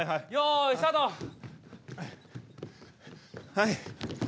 はい。